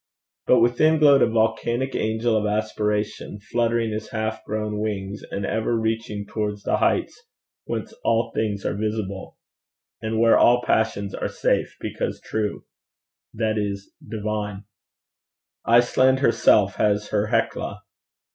But within glowed a volcanic angel of aspiration, fluttering his half grown wings, and ever reaching towards the heights whence all things are visible, and where all passions are safe because true, that is divine. Iceland herself has her Hecla.